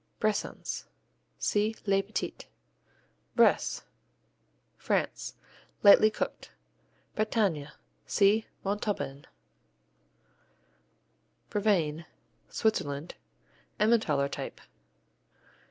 Bressans see les Petits. Bresse France Lightly cooked. Bretagne see Montauban. Brevine Switzerland Emmentaler type.